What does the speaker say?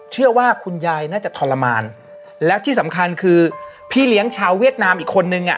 เชื่อว่าคุณยายน่าจะทรมานและที่สำคัญคือพี่เลี้ยงชาวเวียดนามอีกคนนึงอ่ะ